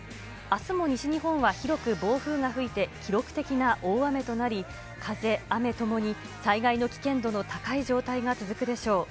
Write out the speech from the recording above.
あすも西日本は広く暴風が吹いて記録的な大雨となり、風、雨ともに災害の危険度の高い状態が続くでしょう。